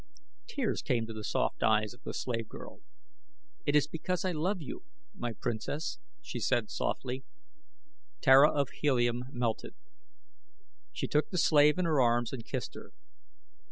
Tears came to the soft eyes of the slave girl. "It is because I love you, my princess," she said softly. Tara of Helium melted. She took the slave in her arms and kissed her.